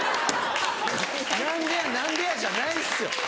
「何でや何でや？」じゃないっすよ。